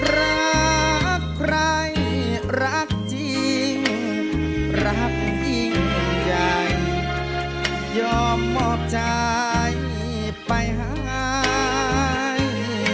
รักใครรักจริงรักยิ่งใหญ่ยอมมอบใจไปหาย